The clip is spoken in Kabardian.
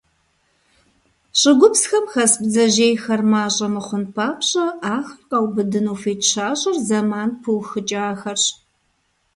ЩӀыгупсхэм хэс бдзэжьейхэр мащӀэ мыхъун папщӀэ, ахэр къаубыдыну хуит щащӀыр зэман пыухыкӀахэрщ.